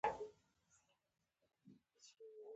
دا ډله مارکسیستي وه.